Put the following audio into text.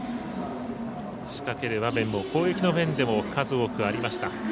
仕掛ける場面も攻撃の面でも数多くありました。